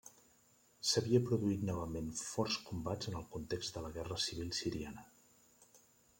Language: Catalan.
S'havia produït novament forts combats en el context de la Guerra Civil siriana.